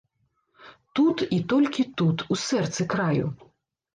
Тут і толькі тут, у сэрцы краю.